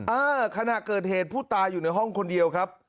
อ่าขณะเกิดเหตุผู้ตายอยู่ในห้องคนเดียวครับ